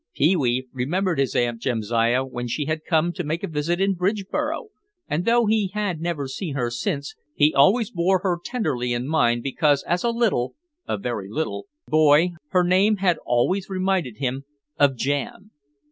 Pee wee remembered his Aunt Jamsiah when she had come to make a visit in Bridgeboro and, though he had never seen her since, he had always borne her tenderly in mind because as a little (a very little) boy her name had always reminded him of jam.